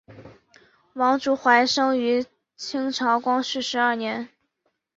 王竹怀生于清朝光绪十二年。